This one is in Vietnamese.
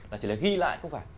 là chỉ là ghi lại không phải